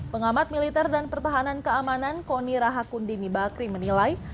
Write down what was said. pengamat militer dan pertahanan keamanan koni rahakundini bakri menilai